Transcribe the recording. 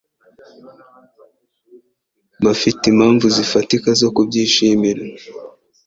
Bafite impamvu zifatika zo kubyishimira.